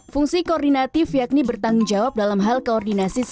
fungsi koordinatif yakni bertanggung jawab dalam hal koordinasi strategis